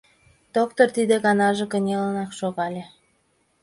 Доктыр тиде ганаже кынелынак шогале.